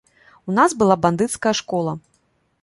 У нас была бандыцкая школа.